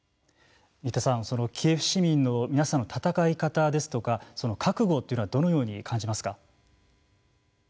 新田さん、キエフ市民の皆さんの戦い方ですとか覚悟というのはどのように感じますか。